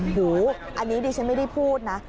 หูอันนี้ดิฉันไม่ได้พูดนะ